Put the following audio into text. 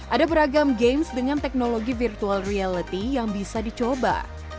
ada beragam games dengan teknologi virtual reality yang bisa dicoba